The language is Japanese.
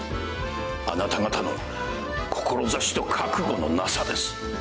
あなた方の志と覚悟のなさです。